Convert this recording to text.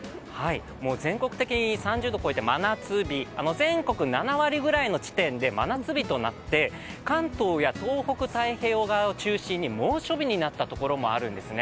全国的に３０度を超えて真夏日、全国７割ぐらいの地点で真夏日となって、関東や東北、太平洋側を中心に猛暑日になった所もあるんですね